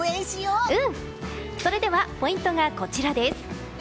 それではポイントがこちらです。